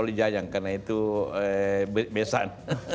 kalau di yayang karena itu besan